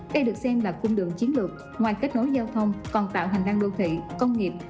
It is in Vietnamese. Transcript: đây được xem là cung đường chiến lược ngoài kết nối giao thông còn tạo hành năng đô thị công nghiệp